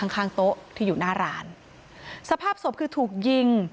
ข้างข้างโต๊ะที่อยู่หน้าร้านสภาพศพคือถูกยิง